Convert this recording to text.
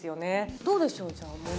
どうでしょう、じゃあ森